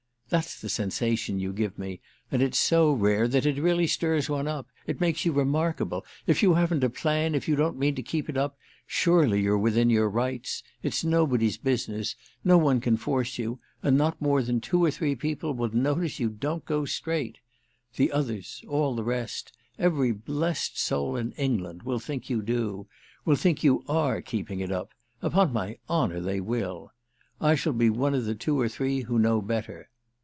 That's the sensation you give me, and it's so rare that it really stirs one up—it makes you remarkable. If you haven't a plan, if you don't mean to keep it up, surely you're within your rights; it's nobody's business, no one can force you, and not more than two or three people will notice you don't go straight. The others—all the rest, every blest soul in England, will think you do—will think you are keeping it up: upon my honour they will! I shall be one of the two or three who know better.